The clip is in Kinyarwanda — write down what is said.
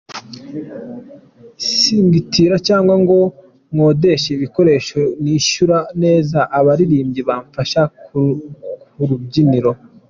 Singitira cyangwa ngo nkodeshe ibikoresho, nishyura neza abaririmbyi bamfasha ku rubyiniro.